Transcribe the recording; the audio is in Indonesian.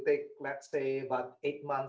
membutuhkan sekitar delapan bulan